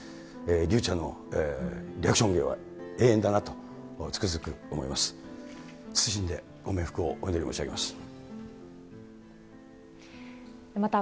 竜ちゃんのリアクション芸は、永遠だなとつくづく思います。